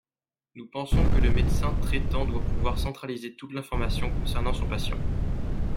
Nous pensons que le médecin traitant doit pouvoir centraliser toute l’information concernant son patient.